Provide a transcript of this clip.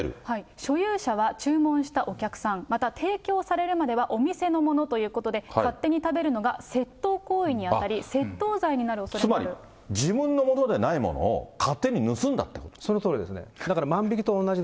所有者は注文したお客さん、また、提供されるまではお店のものということで、勝手に食べるのが窃盗行為に当たり、窃盗罪になつまり、自分のものでないもそのとおりですね。